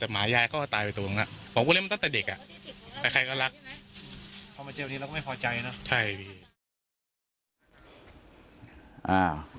แต่หมาแยกตายไปตรงนั้นตอนเด็กใครก็รักประเทศนี่แล้วไม่พอใจนะ